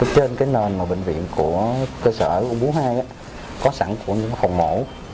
trên cái nền mà bệnh viện của cơ sở bốn mươi hai có sẵn của những phòng mổ